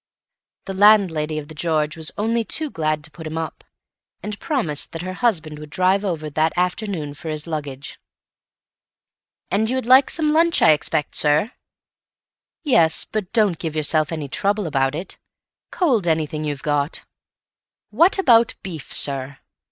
The landlady of 'The George' was only too glad to put him up, and promised that her husband would drive over that afternoon for his luggage. "And you would like some lunch, I expect, sir." "Yes, but don't give yourself any trouble about it. Cold anything you've got." "What about beef, sir?"